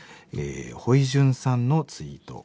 ホイジュンさんのツイート。